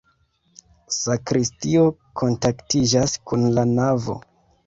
Sakristio kontaktiĝas kun la navo.